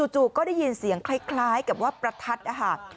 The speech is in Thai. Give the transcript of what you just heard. จู่ก็ได้ยินเสียงคล้ายกับว่าประทัดนะคะ